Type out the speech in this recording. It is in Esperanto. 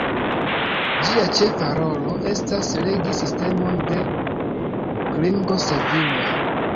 Ĝia ĉefa rolo estas regi sistemon de klingo-serviloj.